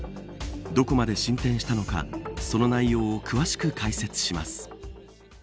どこまで進展したのかその内容を詳しく解説します。